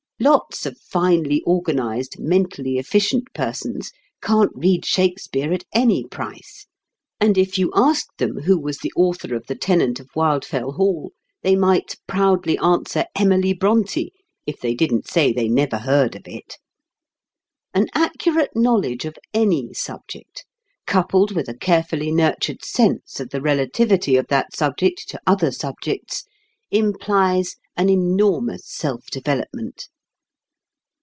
Lots of finely organized, mentally efficient persons can't read Shakespeare at any price, and if you asked them who was the author of The Tenant of Wildfell Hall they might proudly answer Emily Brontë, if they didn't say they never heard of it. An accurate knowledge of any subject, coupled with a carefully nurtured sense of the relativity of that subject to other subjects, implies an enormous self development.